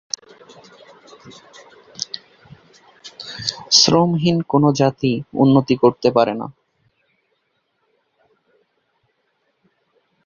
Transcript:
শ্রমহীন কোনো জাতি উন্নতি করতে পারে না।